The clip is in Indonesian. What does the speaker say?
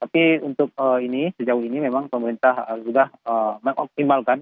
tapi untuk ini sejauh ini memang pemerintah sudah mengoptimalkan